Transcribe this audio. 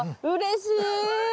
うれしい！